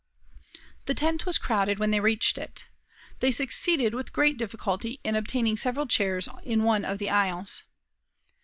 The tent was crowded when they reached it. They succeeded with great difficulty in obtaining several chairs in one of the aisles.